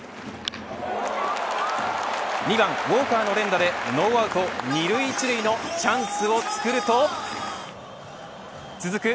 ２番ウォーカーの連打でノーアウト２塁１塁のチャンスを作ると続く